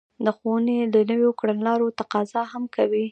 د ښوونې د نويو کړنلارو تقاضا هم کوي.